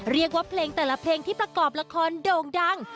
เรียกว่าเพลงแต่ละเพลงที่ประกอบละครโด่งดัง